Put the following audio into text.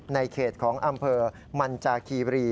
ในเขตของอำเภอมันจาคีบรี